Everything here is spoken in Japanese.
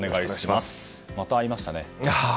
また、会いましたね。